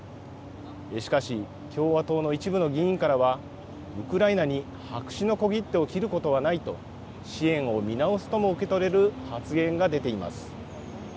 しかし、共和党の一部の議員からは、ウクライナに白紙の小切手を切ることはないと、支援を見直すとも受け取れる発言が出ています。